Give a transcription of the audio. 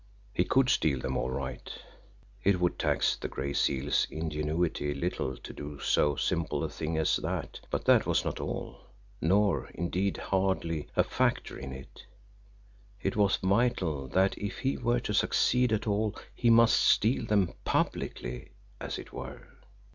He could steal them all right; it would tax the Gray Seal's ingenuity little to do so simple a thing as that, but that was not all, nor, indeed, hardly a factor in it it was vital that if he were to succeed at all he must steal them PUBLICLY, as it were.